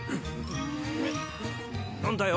な何だよ？